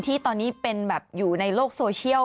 ที่ตอนนี้มันอยู่ในโลกโซเชียล